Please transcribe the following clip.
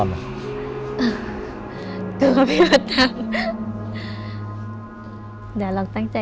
ไม่รู้เพราะว่า